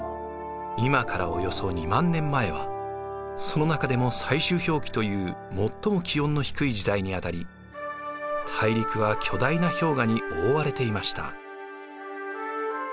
今からおよそ２万年前はその中でも最終氷期という最も気温の低い時代にあたり大陸は巨大な氷河に覆われていました。